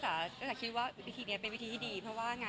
แต่เห็นที่จิ๊บบอกว่า